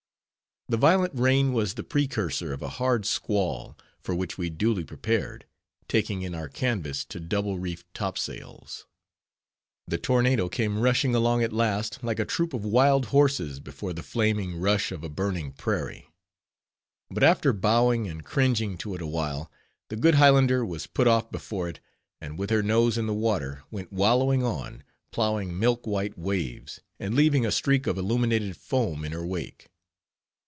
This violent rain was the precursor of a hard squall, for which we duly prepared, taking in our canvas to double reefed top sails. The tornado came rushing along at last, like a troop of wild horses before the flaming rush of a burning prairie. But after bowing and cringing to it awhile, the good Highlander was put off before it; and with her nose in the water, went wallowing on, ploughing milk white waves, and leaving a streak of illuminated foam in her wake.